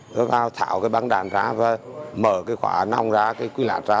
đứa vào thảo cái bắn đạn ra và mở cái khóa nòng ra cái quy lạc ra